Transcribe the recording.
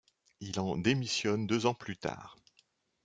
Il en démissionne deux ans plus tard.